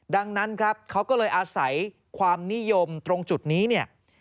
ดังนั้นเขาก็เลยอาศัยความนิยมตรงจุดนี้